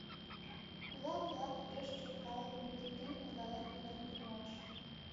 Кулак-влак пеш чот калыкым лӱдыктен, ондален иленыт улмаш.